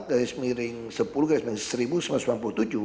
dari semiring sepuluh ke semiring sepuluh ribu sembilan ratus sembilan puluh tujuh